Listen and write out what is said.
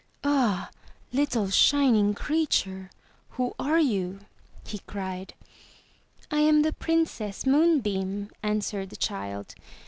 "Ah, little shining creature, who are you?" he cried. "I am the Princess Moonbeam," answered the child.